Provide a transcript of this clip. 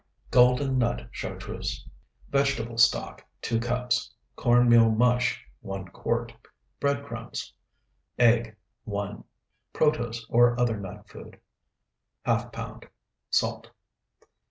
GOLDEN NUT CHARTREUSE Vegetable stock, 2 cups. Corn meal mush, 1 quart. Bread crumbs. Egg, 1. Protose, or other nut food, ½ pound. Salt.